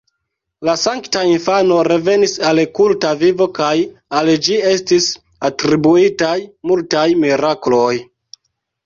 La Sankta Infano revenis al kulta vivo kaj al ĝi estis atribuitaj multaj mirakloj.